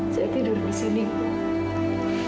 saya tidur di sini